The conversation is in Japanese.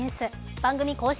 番組公式